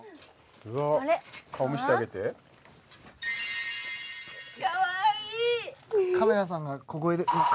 うわっ顔見せてあげてかわいい！